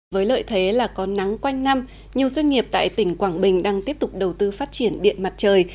với lợi thế là có nắng quanh năm nhiều doanh nghiệp tại tỉnh quảng bình đang tiếp tục đầu tư phát triển điện mặt trời